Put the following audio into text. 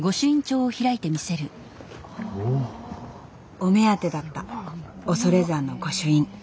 お目当てだった恐山の御朱印。